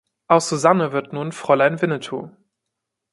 Aus Susanne wird nun „Fräulein Winnetou“.